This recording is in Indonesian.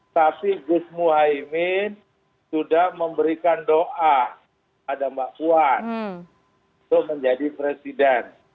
tapi gus muhaymin sudah memberikan doa pada mbak puan untuk menjadi presiden